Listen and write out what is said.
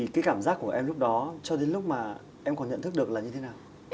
cái cảm giác của em lúc đó cho đến lúc mà em còn nhận thức được là như thế nào